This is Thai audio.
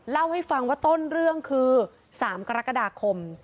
เล่าให้ฟังว่าต้นเรื่องคือ๓กรกฎาคม